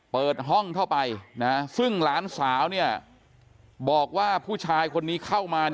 เปิดห้องเข้าไปซึ่งหลานสาวบอกว่าผู้ชายคนนี้เข้ามา